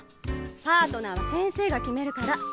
パートナーは先生が決めるから。